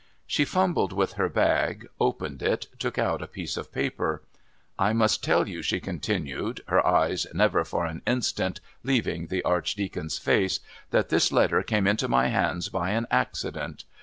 She fumbled with her bag, opened it, took out a piece of paper. "I must tell you," she continued, her eyes never for an instant leaving the Archdeacon's face, "that this letter came into my hands by an accident.